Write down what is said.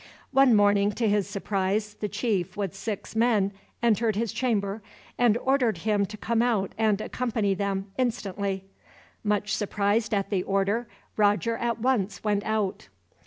One morning, to his surprise, the chief with six men entered his chamber, and ordered him to come out and accompany them, instantly. Much surprised at the order, Roger at once went out.